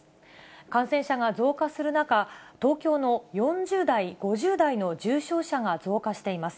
感染者が増加する中、東京の４０代、５０代の重症者が増加しています。